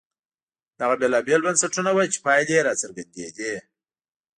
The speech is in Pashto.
دغه بېلابېل بنسټونه وو چې پایلې یې راڅرګندېدې.